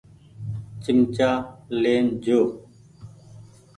چمچآ لين جو ۔